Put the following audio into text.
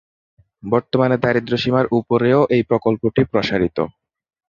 বর্তমানে দারিদ্র্য সীমার উপরেও এই প্রকল্পটি প্রসারিত।